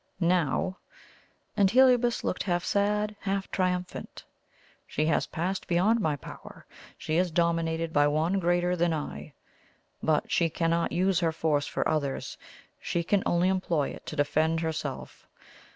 Now" and Heliobas looked half sad, half triumphant "she has passed beyond my power; she is dominated by one greater than I. But she cannot use her force for others; she can only employ it to defend herself.